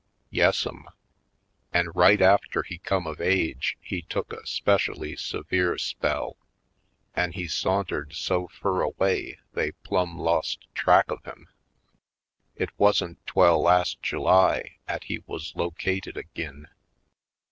Yassum! An' right after he come of age he took a 'specially severe spell an' he sauntered so fur away they plum' lost track of him. It wasn't 'twell last July 'at he wuz located ag'in.